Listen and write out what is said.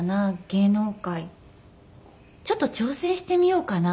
芸能界ちょっと挑戦してみようかな。